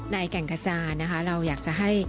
แก่งกระจานนะคะเราอยากจะให้